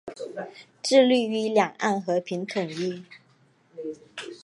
致力于两岸和平统一。